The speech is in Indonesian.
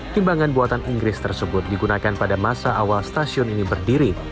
timbangan buatan inggris tersebut digunakan pada masa awal stasiun ini berdiri